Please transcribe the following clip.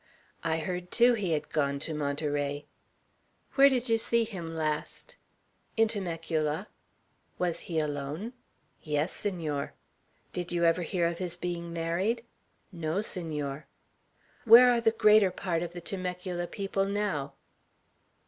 "I heard, too, he had gone to Monterey." "Where did you see him last?" "In Temecula." "Was he alone?" "Yes, Senor." "Did you ever hear of his being married?" "No, Senor." "Where are the greater part of the Temecula people now?"